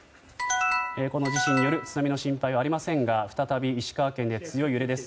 この地震による津波の心配はありませんが再び石川県で強い揺れです。